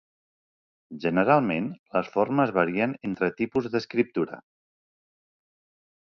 Generalment, les formes varien entre tipus d'escriptura.